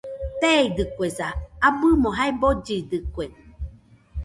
Teeidɨkuesa, abɨmo jae bollidɨkue